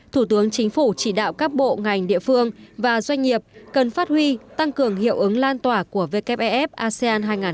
thủ tướng chính phủ chỉ đạo các bộ ngành địa phương và doanh nghiệp cần phát huy tăng cường hiệu ứng lan tỏa của wfef asean hai nghìn hai mươi